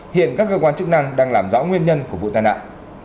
hiện các cơ quan chức năng đang làm rõ nguyên nhân của vụ tai nạn